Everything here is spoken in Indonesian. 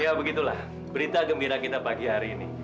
ya begitulah berita gembira kita pagi hari ini